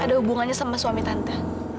ada hubungannya sama suami tante